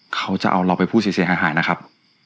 เขาจะเอาเราไปพูดเสียหายนะครับ